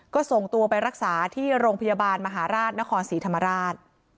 ก็ส่งตัวไปรักษาที่โรงพยาบาลมหาราชนครศรีธรรมราช